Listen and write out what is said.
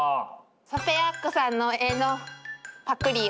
ソッペアックさんの絵のパクリよ。